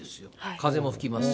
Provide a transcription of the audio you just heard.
風も吹きますし。